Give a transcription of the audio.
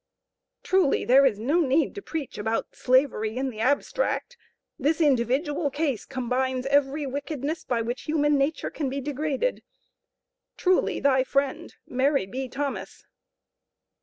Truly, there is no need to preach about Slavery in the abstract, this individual case combines every wickedness by which human nature can be degraded. Truly, thy friend, MARY B. THOMAS."